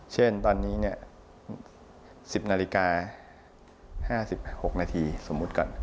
เช่นตอนนี้๑๐นาฬิกา๕๖นาทีสมมุติก่อน